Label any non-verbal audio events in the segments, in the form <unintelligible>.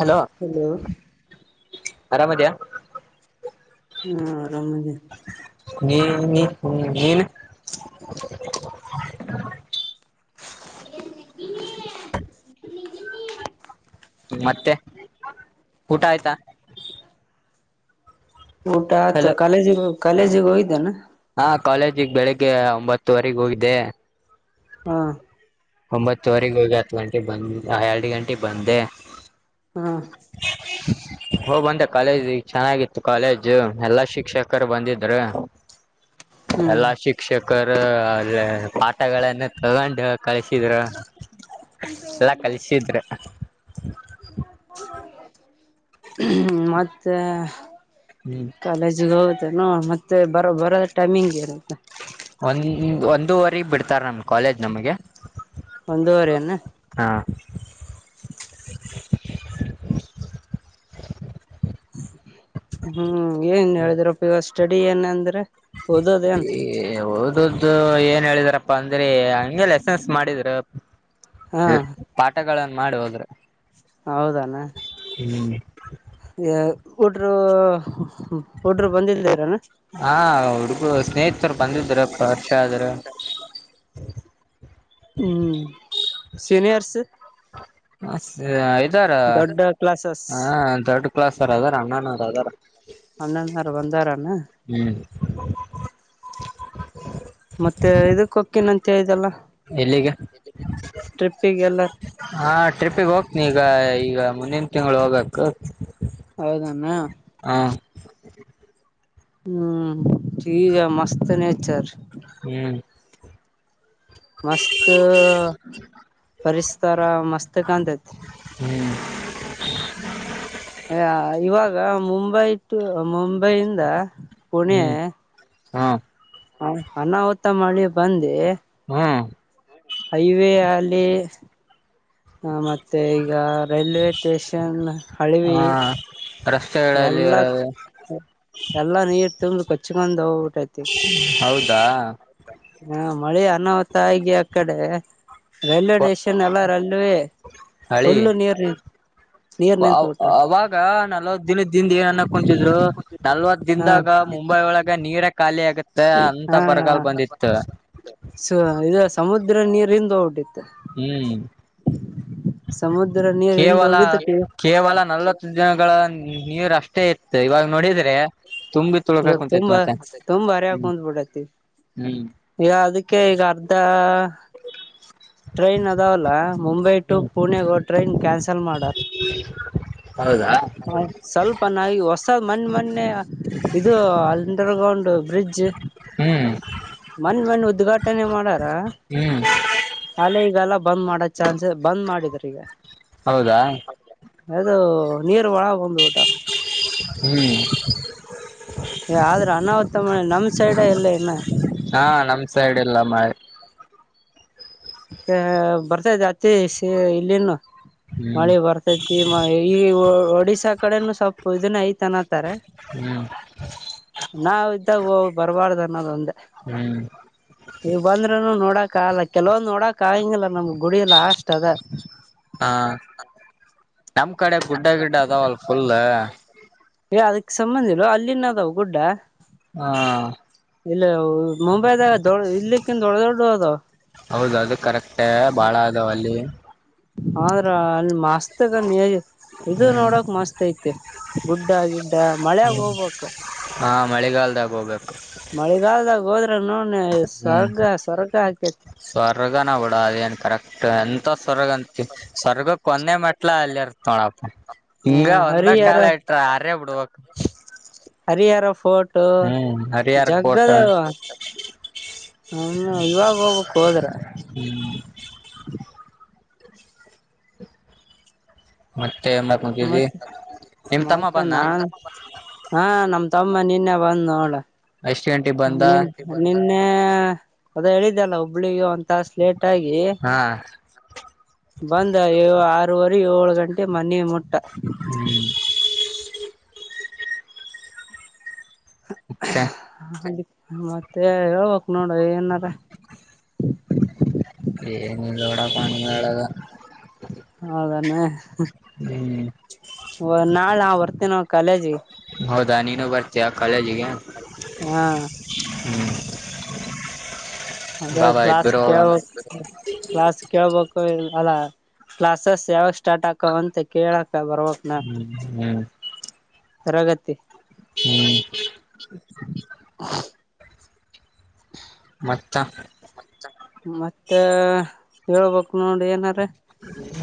Hello ಆರಾಮ ಅದಯ ಹಾ ಆರಾಮ ಅಧಿನಿ ನೀ ನೀ ನೀನು ಏನ್ ಮತ್ತೆ ಊಟ ಆಯ್ತಾ ಊಟ ಆಯತ ಹಲೋ ಕಾಲೇಜಿಗ ಕಾಲೇಜಿಗ ಹೋಯ್ದಾನ ಹಾ ಕಾಲೇಜಿಗೆ ಬೆಳಿಗ್ಗೆ ಒಂಬತ್ತುವರೆಗ್ ಹೋಗಿದ್ದೆ ಹಾ ಒಂಬತ್ತುವರೆಗ ಹೋಗಿ ಹತ್ತು ಗಂಟೆಗೆ ಬಂದ ಎರಡು ಗಂಟೆಗೆ ಬಂದೆ ಹಾ ಹೋ ಬಂದೆ ಕಾಲೇಜ್ ಈಗ ಚೆನ್ನಾಗಿತ್ತು ಕಾಲೇಜ್ ಎಲ್ಲಾ ಶಿಕ್ಷಕರು ಬಂದಿದರು ಹ್ಮ್ ಎಲ್ಲಾ ಶಿಕ್ಷಕರ ಅ ಪಾಠಗಳಗಳನ್ನು ತಗೊಂಡು ಹ ಕಲಸಿಡ್ರು ಎಲ್ಲ ಕಲಿಸಿದ್ರ ಹ ಮತ್ತ ಹ್ಮ್ ಕಾಲೇಜಿಗೆ ಹೋಗುತ್ತೆ ಮತ್ತೆ ಬರ ಬರೋದ ಟೈಮಿಂಗ್ಗೆ ಅನು ಹ ಒಂದೂವರೆ ಬಿಡ್ತಾರೆ ನಮ್ ಕಾಲೇಜ್ ನಮಗೆ ಒಂದೂವರೆ ಅನ್ನ ಹಾ <inaudible> ಹ್ಮ್ ಏನ್ ಹೇಳಿದಿರಪ್ಪ ಈವಾಗ ಸ್ಟಡಿ ಏನ ಅಂದ್ರೆ ಓದೋದೇನ್ ಏ ಓದ್ದು ಏನ್ ಹೇಳಿದ್ರ ಅಂದ್ರೆ ಹಂಗೆ ಲೆಸನ್ಸ್ ಮಾಡಿದ್ರ ಹಾ ಪಾಠಗಳ ಮಾಡಿ ಹೋದ್ರೆ ಹೌದಣ ಹುಡ್ರು ಹುಡ್ರೂ ಬಂದಲ್ದರಾನ ಹಾ ಹುಡುಗು ಸ್ನೇಹಿತರು ಬಂದಿದ್ರಪ್ಪ ವರ್ಷ ಆದ್ರ ಹ್ಮ್ ಸೀನಿಯರ್ಸ್ ಹ ಐದಾರ ದೊಡ್ಡ ಕ್ಲಾಸಸ್ ಹ ದೊಡ್ಡ ಸರ್ ಅದಾರ ಅಣ್ಣ ನ ಅದಾರ ಅಣ್ಣನಾರ ಬಂದಾರನ ಹ್ಮ್ ಮತ್ತೆ ಇದಕ್ಕಕ್ಕಿನ ಅಂತೆ ಇಲ್ಲ ಎಲ್ಲಿಗ ಟ್ರಿಪ್ಪಿಗೆಲ್ಲ ಹ ರಿಪಿಗೆ ಹೋಗ್ತನಿ ಈಗ ಈಗ ಮುಂದಿನ ತಿಂಗಳು ಹೋಗಕ್ ಹೌದಣ ಹಾ ಹ್ಮ್ ಈೀಗ ಮಸ್ತ್ ನೇಚರ್ ಹ್ಮ್ ಮಸ್ತ್ ಪರಿಸತರ ಮಸ್ತ್ ಕತ್ ಹ್ಮ್ ಅ ಇವಾಗ ಮುಂಬೈ ಟು ಮುಂಬೈಯಿಂದ ಪುಣೆ ಹ್ಮ ಹ ಅನ್ನ ತ್ತ ಮಾಡಿ ಬಂದೆ ಹ್ಮ್ ಹೈವೇ ಅಲ್ಲಿ ಮತ್ತೆ ಮತ್ತೆ ಈಗ ರೈಲ್ವೆ ಸ್ಟೇಷನ್ ಹ ಹಳವಿ ರಸ್ತೆಗಳಲ್ಲಿ ಎಲ್ಲಾ ಇರೋದು ಎಲ್ಲಾ ನೀರು ತಿಂದ ಕಚ್ಕೊಂಡ ಹೌದಾ ಹಾ ಮಳಿ ಅನ್ನವತಗ ಆ ಕಡೆ ರೈಲ್ವೆ ಸ್ಟೇಷನ್ ಎಲ್ಲ ರೈಲ್ವೆೇ ಹಳಿ ಫುಲ್ಲು ನೀರ್ ನೀರ್ ನಿಂತು ಬಿಟ್ಟ ಅವಾಗ ನಲವ ದಿನದ ಿಂದ ಏನನ್ನ ಕುಂತಿದ್ರು ನಲ್ವತ್ ಹಾ ದಿನದಾಗ ಮುಂಬೈ ಒಳಗ ನೀರ ಖಾಲಿ ಆಗತ್ತೆ ಅಂತ ಹಾ ಬರಗಾಲ್ ಬಂದಿತ್ತು ಇದು ಸಮುದ್ರ ನೀರಿಂದ ಹೋಗ್ಬಿಟ್ಟಿತ್ತು ಹ್ಮ್ ಸಮುದ್ರ ನೀರ್ ಹಿಂದ್ ಕೇವಲ ಹೋಗಿದ್ದಕ್ಕೆ ಕೇವಲ ನಲವತ್ತು ದಿನಗಳ ನೀರಷ್ಟೇ ಇತ್ತು ಇವಾಗ ನೋಡಿದ್ರೆ ತುಂಬಿ ತೊಳ್ಕ ಇವಾಗ ಕುಂಂತೈತ್ ತುಂಬಾ ಮತ್ತೆ್ಮ ತುಂಬಾ ಹರಿಯಾಕ್ ಕುಂತ್ ಬಿಟ್ಟೈತಿ ಈಗ ಅದಕ್ಕೆ ಈಗ ಅರ್ಧ ಟ್ರೈನ್ ಅದಾವಲ್ಲ ಮುಂಬೈ ಟು ಹ್ಮ್ ಪುಣೆಗ ಟ್ರೈನ್ ಕ್ಯಾನ್ಸಲ್ ಮಾಡಾರ ಹೌದಾ ಸ್ವಲ್ಪ ನಿ ಹೊಸ್ ಮಣ ಮನ್ನೆ ಇದು ಅಂಡರ್ಗ್ರೌಂಡ್ ಬ್ರಿಡ್ಜ್ ಹ್ಮ್ ಮಣ ಮಣ ಉದ್ಘಾಟನೆ ಮಾಡಾರ ಹ್ಮ್ ಅಲ್ಲೆ ಈಗಲ್ಲ ಬಂದ್ ಮಾಡದ ಚಾನ್ಸ ಬಂದ್ ಮಾಡಿದ್ರ ಈಗ ಹೌದಾ ಅದುೋ ನೀರ್ ಒಳ ಬಂದು್ ಊಟ ಹ್ಮ್ ಆದ್ರ ಅನಾಹುತ ಮೆ ನಮ್ ಸೈಡ್ ಎಲ್ಲ ಇನ್ನ ಹಾ ನಮ್ ಸೈಡ್ ಎಲ್ಲ ಮ ಅ ಬರ್ತ ಜಾತಿ ಇಲ್ಲಿನು ಹ್ಮ್ ಮಳೆ ಬರ್ತತಿ ಮ ಈ ಒಡಿಶಾಕ್ ಕಡೆನು ಸ್ೊಲ್ಪ ಇದನ್ನ ಐತನತಾರೆ ಹ್ಮ್ ನಾವ ಇದ್ದಾಗ ಬರಬಾರ್ದು ಅನ್ನೋದ ಒಂದೆ ಹ್ಮ್ ನೀವು ಬಂದ್ರೂನು ನೋಡಕಲ್ಲ ಕೆಲವೊ ಕಾಯಿಂಗಲ್ಲ ನಮ್ಗ್ ಗುಡಿ ಎಲ್ಲ ಅಷ್ಟಟ್ ಅದ ಹಾ ನಮ್ ಕಡೆ ಗುಡ್ಡ ಗಿಡ್ಡ ಅದಲ್ ಫುಲ್ ಏ ಅದಕ್ಕೆ ಸಂಬಂಧಿ ಇಿಲ್ಲ ಅಲ್ಲಿನ್ ಅದಾವ ಗುಡ್ಡ ಹಾ ಇಲ್ಲ ಮುಂಬೈದಾಗ ದೊಡ್ಡ ಇಲ್ಲಿಕ್ಕಿಂತ ದೊಡ್ಡ ದೊಡ್ಡ ಅದು ಹೌದ ಅದು ಕರೆಕ್ಟ್ ಭಾಳ ಅದಾವ ಅಲ್ಲಿ ಆದ್ರ ಅಲ್ಲಿ ಮಸ್ತ್ಗನ್ ಇದು ನೋಡಕ್ ಮಸ್ತ್ ಐತಿ ಗುಡ್ ಆಗ ಮ ಮಳೆಗ ಹೋಗ್ಬೇಕಕ್ ಹಾ ಮಳೆಗಾಲದಾಗ ಹೋಗ್ಬೇಕು ಮಳಿಗಾಲಲ್ದಾಗ ಹೋದ್ರೆ ನೋಡ ಹ್ಮ್ ಸ್ವರ್ಗ ಸ್ವರ್ಗ ಹಾಕೇತಿ ಸ್ವರ್ಗನ ಬಿಡ ಅದೇನ್ ಎಂತ ಸವರ್ಗಂತ ಸವರ್ಗಕ್ ಕೊಂದೆ ಮಟ್ಲ ಅಲ್ಲಿರ್ತ ನೋಡಪ್ಪ ಹ ಹಿಂಗ ಒಂದ ಹರಿಹರ ಕಾಲ ಇಟ್ರ ಆರ್ಯ ಬಿಡ್ಬಕ್ ಹರಿಹರ ಫೋಟು ಹರಿಹರ್ ಕೋಟ ಜಗ್ಗದ ಹ ಇವಾಗ ಹೋಗ್ಕ್ು ಹೋದ್ರ ಹ್ಮ್, ಮತ್ತ ಮ ಮತ್ತೆ ಬಂದ ನಾ ಹಾ ನಮ್ ತಮ್ ಮ್ಮ ನಿನ್ನೆ ಬಂದ್ನೋಡ ಎಷ್ಟ ಗಂಟೆಗೆ ಬಂದ ನ್ನೆ ಅದ ಹೇಳಿದಲ್ಲ ಹುಬ್ಬಳಿಗ ಒಂತಾಸ್ಲೇಟ್ ಟಾಗಿ ಹಾ ಬಂದ ಯೋ ಆ ಆರುವರೆ ಏಳು ಗಂಟೆ ಮನೆ ಮುಟ್ಟ ಹ್ಮ್ ಮತ್ತೆ <unintelligible> ಮತ್ತೆ ಹೇಳ್ಬೇಕ್ ನೋಡು ಏನಾರ <inaudible> <unintelligible> ಹ್ಮ್ ವ ನಾಳೆ ನಾ ಬರ್ತೇನೋ ಕಾಲೇಜಿಗೆ ಹೌದಾ ನೀನು ಬರ್ತೀಯ ಕಾಲೇಜಿಗೆ ಹಾ ಹ್ಮ್ ಅದೇ ಬಾಬಾ ಕ್ಲಾಸ್ ಇಬ್ಬರು ಹೋಗಮ್ ಕೇಳ್ಬಕ್ ಕ್ಲಾಸ್ ಕೇಳ್ಬಕ್ ಅಲ್ಲ ಕ್ಲಾಸಸ್ ಯಾವಾಗ ಸ್ಟಾರ್ಟ್ ಆಕವ್ ಅಂತ ಕೇಳಕ್ ಬರ್ಬಕನ ಹ್ಮ್ ಹ್ಮ್ ತರಗತಿ ಹ್ಮ್ <inaudible> ಮತ್ತ ಮತ್ತ ಹೇಳ್ಬೇಕು ನೋಡ ಏನರ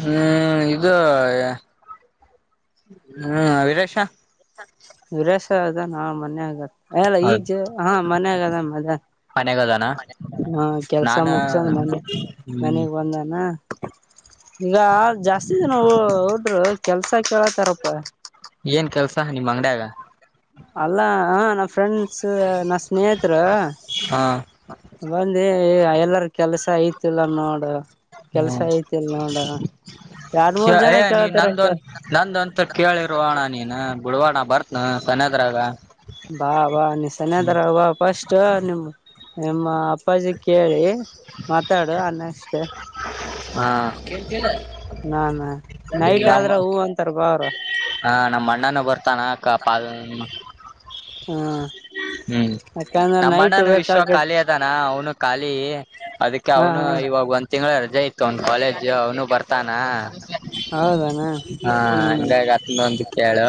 ಹ್ಮ್ ಇದು ಹ್ಮ್ ವಿರೇಶ ವಿರೇಶ ಅದಾನಾ ಮನ್ಯಾಗ ಆ ಇಲ್ಲ ಈಗ ಹೌದು ಜ ಹಾ ಮನ್ಯಾಗದಾನ ಮದ ಮನೆಗದಾನ ಹಾ ಕೆಲ್ಸ ನಾನ ಮುಗ್ಸಂದ ಮನೆ ಹ್ಮ್ ಮನೀಗ್ ಬಂದಾನ ಈಗ ಜಾಸ್ತಿ ದಿನ ಹುಡ್ರು ಕೆಲ್ಸ ಕೇಳತಾರಪ್ಪ ಕೆಲಸ ನಿಮ್ಮ ಅಲ್ಲಾ ನಾ ಫ್ರೆಂಡ್ಸ್ ನಾ ಸ್ನೇಹತ್ರ ಹ ಬಂದೀ ಎಲ್ಲರ ಕೆಲ್ಸ ಐತಿಲ್ಲ ನೋಡು ಕೆಲ್ಸ ಹ್ಮ್ ಐತಿಲ್ ನೋಡ ಎರಡ್ ಮೂರ್ ಜನ ಏ ನೀ ನಂದು ಕೇಳತಾರಪ್ಪ ನಂದಂತ ಕೇಳಿರೋ ಅಣಾ ನೀನು ಬಿಡೋಣ ಬರ್ತ್ನ ಸನೇದ್ರಾಗ ಬಾ ಬಾ ನೀ ಸನೇದ್ರಾಗ ಬಾ ಫಸ್ಟ್ ನಿಮ್ ನಿಮ್ಮ ಅಪ್ಪಾಜಿ ಕೇಳಿ ಮಾತಾಡು ಅನ್ನ ಅಷ್ಟ್ ಹಾ ನಾನ ನೈಟ್ ಆದ್ರ ಹೂ ಅಂತಾರ ಬಾವ್ರ ಹಾ ನಮ್ಮ್ ಅಣ್ಣನ ಬರ್ತಾನ ಕಾಪಾ ಹ್ಞೂಂ ಹ್ಮ್ ನಮ್ಮ ಅಣ್ಣನು ವಿಶ್ವ ಖಾಲಿ ಅದಾನ ಅವ್ನು ಖಾಲಿ ಅದಕ್ಕೆ ಹಾ ಅವ್ನು ಹಾ ಇವಾಗ ಒಂದ್ ತಿಂಗ್ಳು ರಜಾ ಐತಿ ೊಂದ ಕಾಲೇಜ್ ಅವನು ಬರ್ತಾನ ಹೌದಣ ಹ ಹ್ಮ್ ಅಂದಾಗ ಹೇಳು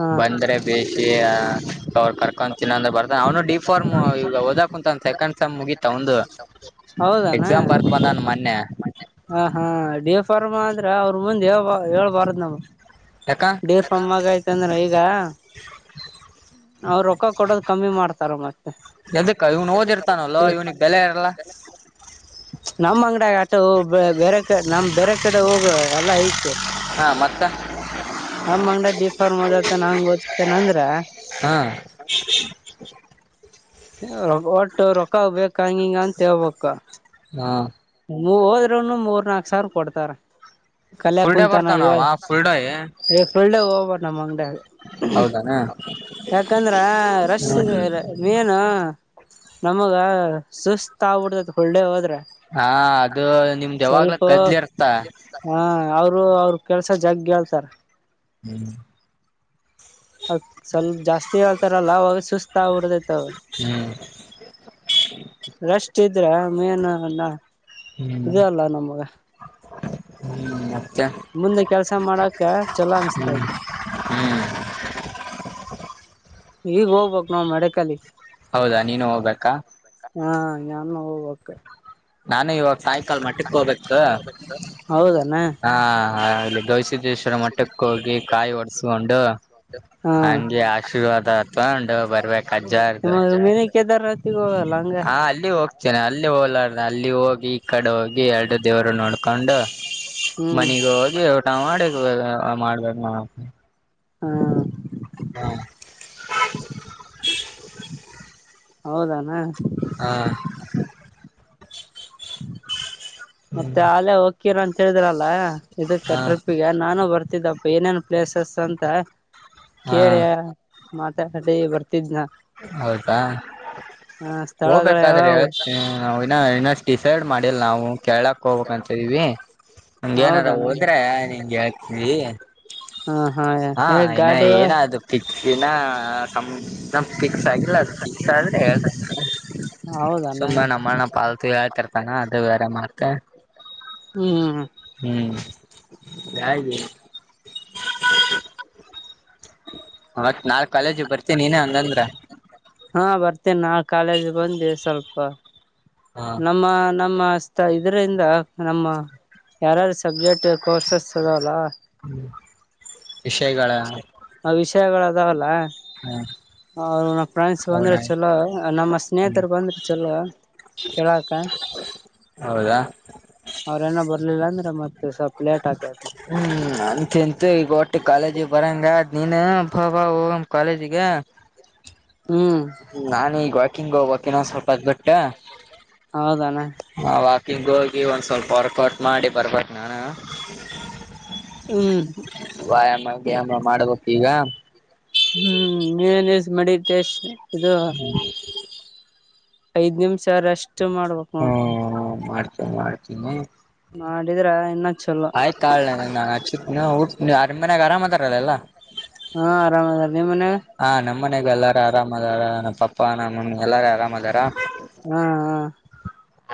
ಹಾ ಬಂದ್ರೆ ಬೇಸಿ ಅವರು ಕರ್ಕೊಂತಿನ್ನಂದ್ರ ಬರ್ತ ಅವನು ಡೀ ಫಾರ್ಮ ಈಗ ಓದಾಕ್ ಕುಂತಾನ್ ಸೆಕಂಡ್ ಸೆಮ್ ಮುಗೀತ ಅವಂದು ಹೌದನ ಮನ್ನೆ ಹ ಹಾ ಡಿಫಾರ್ಮಾ ಅಂದ್ರ ಅವ್ರು ಮುಂದೆ ಹೇಳ್ಬ ಹೇಳ್ಬಾರ್ದ್ ನಾವು ಯಾಕ ಡೀಫಾರ್ಮ್ಮಾಗಯ್ತಂದ್ರ ಈಗ ಅವರು ರೊಕ್ಕ ಕೊಡದು ಕಮ್ಮಿ ಮಾಡ್ತಾರ ಮತ್ತೆ ಅದಕ್ಕ ಇವ್ನು ಓದಿರ್ತಾನಲ್ಲೋ ಇವ್ನಿಗೆ ಬೆಲೆ ಇರಲ್ಲ ನಮ್ಮ್ ಅಂಗಡ್ಯಾಗ ಆಟೋ ಬೇ ಬೇರೆ ಕ ನಮ್ ಬೇರೆ ಕಡೆ ಹೋಗು ಎಲ್ಲ ಐತಿ ಹಾ ಮತ್ತ ನಮ್ಮ್ ಅಂಗಡ ಡಿಫಾರ್ಮ್ ಓದಾತ ನಂಗ ಓದ್ತನಂದ್ರ ಹಾ ರೊ ಒಟ್ಟು ರೊಕ್ಕಾಗ ಬೇಕಂಗಿಂಗ ಅಂತ ಹೇಳ್ಬ ಹಾ ಹೋದ್ರುನು ಮೂರ್ ನಾಕ್ ಸಾವಿರ ಕೊಡ್ತಾರ ಕಲ್ಯ ಫುಲ್ ಡೇ ಕುಂತಾನ ಬರ್ತಾನ ಅವ ಫುಲ್ ಡೇ ಇವ ಫುಲ್ಡ ಹೋಗಬ ನಮ್ಮ ಅಂಗಡಿಯಾಗ ಹೌದಾನ ಯಾಕಂದ್ರ ರಶ್ ಹ್ಮ್ ನೀ ಹ ನಮಗ ಸುಸ್ತ್ ಆಗ್ಬಿಡ್ತತ್ ಫುಲ್ ಡೇ ಹೋದ್ರೆ ಹಾ ಅದು ನಿಮ್ದ್ ಯಾವಾಗ್ಲ ಸ್ವಲ್ಪ ಕದ್ಲಿ ಇರ್ತ ಹಾ ಅವರು ಅವ್ರರು ಕೆಲ್ಸ ಜಗ್ ಹೇಳ್ತಾರ ಹ್ಮ್ ಅ ಸ್ವಲ್ಪ ಜಾಸ್ತಿ ಹೇಳ್ತಾರಲ್ಲ ಅವಾಗ ಸುಸ್ತ ಆಬಡದೈತವ ಹ್ಮ್ ರಷ್ಟ ಇದ್ರ <unintelligible> ಹ್ಮ್ ಇದೇ ಅಲ್ಲ ನಮಗ ಹ್ಮ್ ಮತ್ತೆ ಮುಂದೆ ಕೆಲ್ಸ ಮಾಡಕ ಚಲೋ ಅನಿಸ್ತತೆ ಹ್ಮ್ ಈಗ್ ಹೋಗ್ಬೇಕಕ ನಾವ್ ಮಡಕಲ್ಲಿ ಹೌದಾ ನೀನು ಹೋಗ್ಬೇಕಾ ಹಾ ನಾನು ಇವಾಗ ಸಾಯಂಕಾಲ ಮಟ್ಟಕ್ ಹೋಗ್ಬೇಕು <unintelligible> ಹೌದ ಹೇನು ಸಿದ್ದೇಶ್ವರ ಮಟ್ಟಕ್ಕ ಹೋಗಿ ಕಾಯಿ ಒಡಸ್ಕೊಂಡು ಹಾ ಹಂಗೆ ಆಶೀರ್ವಾದ ಅತ್ಂಡ ಬರ್ಬೇಕಕ್ ಅಜ್ಜಾರದುು ಕೆದಾರ ರತಿಗ ಹಾ ಅಲ್ಲಿ ಹೋಗ್ತೇನೆ ಅಲ್ಲಿ ಹೋಲಾ ಅಲ್ಲಿ ಹೋಗಿ ಈ ಕಡೆ ಹೋಗಿ ಎರಡು ದೇವರು ನೋಡ್ಕೊಂಡು ಹ್ಮ್ ಮನಗ ಹೋಗಿ ಊಟ ಮಾಡಕ್ ಮಾಡ್ಬೇಕ ನಾ ಹಾ ಹಾ ಹೌದಣ ಹಾ ಹ್ಮ್ ಮತ್ತೆ ಆಲೆೇ ಹೊಕ್ಕಿರಿ ಅಂತ ಹೇಳಿದರಲ್ಲ ಇದ ಹಾ ಕಟ್ರಪಿಗ ನಾನು ಬರ್ತಿದ್ದಪ್ಪ ಏನೇನ್ ಪ್ಲೇಸಸ್ ಅಂತ ಹಾ ಕೇಳ್ಯ ಮಾತಾ ಬರ್ತ ಹೌದಾ ಆ ಸ್ಥಳಗಳು ಹೋಗ್ಬೇಕಾದ್ರೆ ಯಾವ್ಯಾವು ನಾ ಇ ಇನ್ನ ಡಿಸೇಡ್ ಮಾಡಿಲ್ ನಾವು ಕೇಳಕ್ ಹೋಗ್ಬೇಕಕ್ ಅಂತ ಇದಿವವಿ ನಿಂಗ ಏನಾದಾರ ಹೌದಾನ ಹೋದ್ರೆ ನಿ ಹೇಳ್ <unintelligible> ಹಾ ಇನ್ನ ಗಾಡಿ ಏನದು ಪಿಚ್ಚಿನ ನಮ ಫಿಕ್ಸ್ ಆಗಿಲ್ಲ ಅದು ಫಿಕ್ಸ್ ಆದ್ರೆ ಸುಮ್ಮನೆ ಹೌದಾನ ನಮ್ಮನ ಪಾಲತು ಯತರ್ತಾನ ಅದು ವರೆ ಮಾತ ಹ್ಮ್ ಹ್ಮ್ ಹಾಗ <unintelligible> ಬರ್ತೀನಿ ನೀನೇ ಹಂಗಂದ್ರ ಹಾ ಬರ್ತೇನೆ ನಾ ಕಾಲೇಜ್ ಬಂದೆ ಸ್ವಲ್ಪ ಹ ನಮ್ಮ ನಮ್ಮ ಇದ್ರಂದ ನಮ್ಮ ಯಾರ್ಯಾರು ಸಬ್ಜೆಕ್ಟ್ ಕೋರ್ಸಸ್ ಅದಲ್ಲ ಹ್ಮ್ ವಿಷಯಗಳ ವಿಷಯಗಳ ಅದಾವಲ್ಲಾ ಹ ಅವರು ಫ್ರೆಂಡ್ಸ್ ಹೌದ ಬಂದ್ರೆ ಚಲೋ ನಮ್ಮ ಹ್ಮ್ ಸ್ನೇಹಿತರು ಬಂದ್ರೆ ಚೊಲೋ ಕೆಳಕ ಹೌದಾ ಇರ್ಲಿಲ್ಲ ಅಂದ್ರೆ ಮತ್ತೆ ಸ್ವಲ್ಪ ಲೇಟ್ ಆಕೇತಿ ಹ್ಮ್ ಅಂತೂ ಇಂತೂ ಈಗ ಒಟ್ಟು ಕಾಲೇಜ್ ಬರಂಗ ಅದ್ ನೀನು ಬ ಬಾ ಹೋಗಮ್ಮ ಕಾಲೇಜಿಗೆ ಹ್ಮ್ ನಾನೂ ಈಗ್ ವಾಕಿಂಗ ಹೋಗಬೇಕ್ ಇನ್ನೊಂದ್ ಸ್ವಲ್ಪ ಹೊತ್ತ ಬಿಟ್ಟ. ಹೌದನ. ಈಗ್ ಹೋಗಿ ಒಂದ್ ಸ್ವಲ್ಪ ವರ್ಕ್ಔಟ್ ಮಾಡಿ ಬರ್ಬೇಕ ನಾನು. ಹ್ಮ್ ವ್ಯಾಯಾಮ ಗಿಯಾಮ ಮಾಡಬೇಕ ಈಗ. ಹ್ಮ್ <unintelligible> ಮೆಡಿಟೇಶ ಇದು ಐದ್ ನಿಮಿಷ ರೆಸ್ಟ್ ಮಾಡ್ಬೇಕ್ ನೋಡ. ಮಾಡ್ತೀನ್ ಮಾಡ್ತೀನಿ. ಮಾಡಿದ್ರ ಇನ್ನ ಚಲೋ ಆಯ್ತಳ್ಳೇ ನಿಂಗ್ ನಾ ಹಚ್ತಿನ್ ಊಟ್ ಅರ ನಿಮ್ ಮನ್ಯಾಗ ಆರಾಮ್ ಅದಾರ್ ಅಲ್ ಎಲ್ಲಾ. ಹಾ ಆರಾಮ್ ಅದಾರ ನಿಮ್ಮ ಮನ್ಯಾಗ. ನಮ್ಮ ಮನ್ಯಾಗು ಎಲ್ಲಾರ ಆರಾಮ ಅದಾರ ನಮ್ಮ ಪಪ್ಪಾ ನಮ್ಮ ಮಮ್ಮಿ ಎಲ್ಲಾರ ಆರಾಮ ಅದಾರ. ಹಾ ಹಾ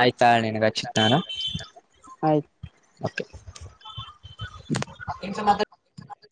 ಆಯ್ತಾಳ ನಿನಗ ಹಚ್ಚತನ್ ನಾನು. ಆಯ್ತು. ಓಕೆ.